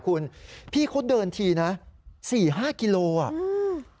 ขุนพี่เขาเดินทีนะ๔๕กิโลเข่าอ่ะ